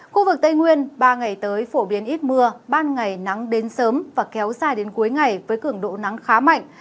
khu vực tây nguyên ba ngày tới phổ biến ít mưa ban ngày nắng đến sớm và kéo dài đến cuối ngày với cường độ nắng khá mạnh